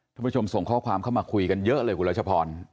ผู้ชมส่งข้อความเข้ามาคุยกันเยอะเลยคุณรัชพร